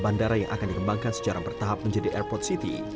bandara yang akan dikembangkan secara bertahap menjadi airport city